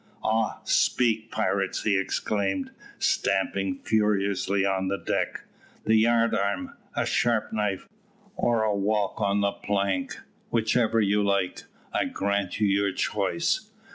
"Ah, speak, pirates," he exclaimed, stamping furiously on the deck; "the yard arm, a sharp knife, or a walk on the plank? Whichever you like. I grant you your choice."